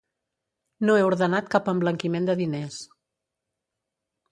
No he ordenat cap emblanquiment de diners.